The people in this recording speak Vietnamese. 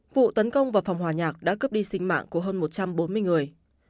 vụ tấn công vào phòng hòa nhạc đã cướp đi sinh mạng của hơn một trăm bốn mươi người